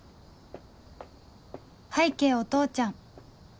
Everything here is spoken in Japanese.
拝啓お父ちゃん